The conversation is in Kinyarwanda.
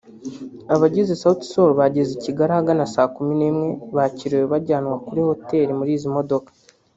Abagize SautiSol bageze i Kigali ahagana saa kumi n'imwe bakiriwe bajyanwa kuri Hotel muri izi modoka